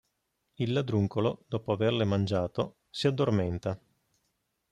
Il ladruncolo, dopo averle mangiato, si addormenta.